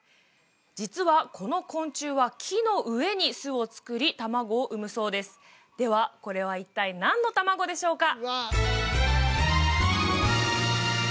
実はこの昆虫は木の上に巣を作り卵を産むそうですではこれは一体何の卵でしょうか？